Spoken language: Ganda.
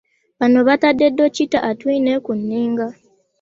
Bano baatadde Dokita Atwine ku nninga